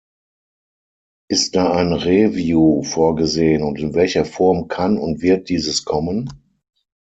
Ist da ein review vorgesehen und in welcher Form kann und wird dieses kommen?